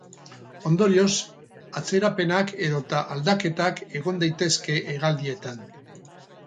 Ondorioz, atzerapenak edota aldaketak egon daitezke hegaldietan.